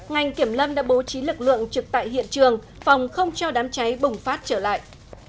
ngành kiểm lâm đã bố trí lực lượng trực tại hiện trường phòng không cho đám cháy bùng phát trở lại